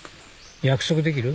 約束できる？